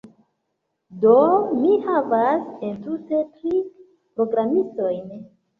Do, mi havas entute tri programistojn